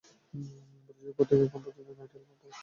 প্রতিষ্ঠার পর থেকে তার এখন পর্যন্ত নয়টি অ্যালবাম প্রকাশ করেছে।